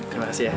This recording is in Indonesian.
terima kasih ya